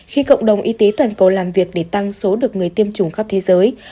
khi cộng đồng y tế toàn cầu làm việc để tăng số được người tiêm chủng khắp thế giới